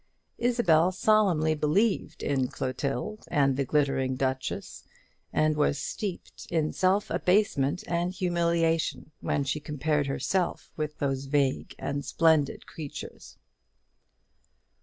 Isabel solemnly believed in Clotilde and the glittering Duchess, and was steeped in self abasement and humiliation when she compared herself with those vague and splendid creatures.